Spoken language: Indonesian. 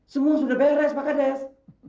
semua sudah beres pak kades